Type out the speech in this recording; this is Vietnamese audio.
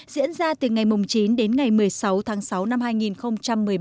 diễn ra từ ngày chín đến ngày một mươi sáu tháng sáu năm hai nghìn một mươi bảy